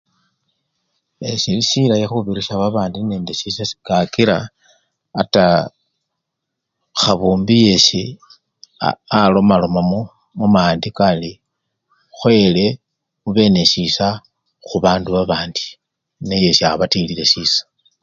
E! sili silayi khubirisya babandi nende sisa kakila ata khabumbi yesi alomalomamo muma-andiko ari khukhoyele khube nesisa esi babandu babandi neyesi akhutilile sisa.